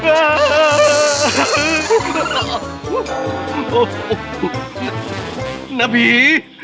โอ้โหน้าผี